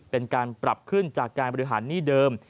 เป็นการปรับขึ้นจากการบริหารหนี้เดิม